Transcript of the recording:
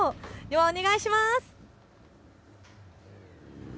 お願いします。